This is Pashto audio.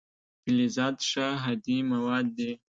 فلزات ښه هادي مواد دي.